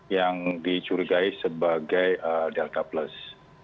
yang dicurigai sebagai delta plus